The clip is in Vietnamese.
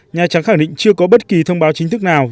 nhà trắng khẳng định chưa có bất kỳ thông báo chính thức nào